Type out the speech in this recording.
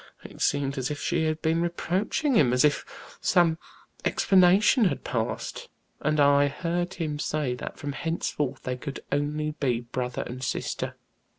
It seemed as if she had been reproaching him, as if some explanation had passed, and I heard him say that from henceforth they could only be brother and sister.